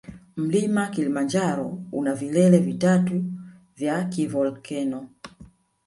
Mlima kilimanjaro una vilele vitatu vya kivolkeno